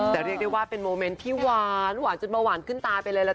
แต่เรียกได้ว่าเป็นโมเมนต์ที่หวานจนเบาหวานขึ้นตาไปเลยล่ะค่ะ